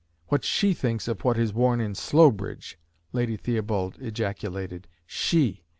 "What she thinks of what is worn in Slowbridge!" Lady Theobald ejaculated. "She!